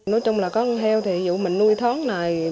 nói chung là con heo thì ví dụ mình nuôi tháng này